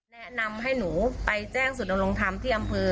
แนะนำให้หนูไปแจ้งศูนย์ดำรงธรรมที่อำเภอ